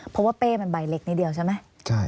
เพราะว่าเป้มันใบเล็กนิดเดียวใช่ไหม